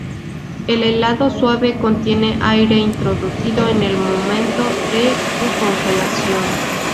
El helado suave contiene aire, introducido en el momento de su congelación.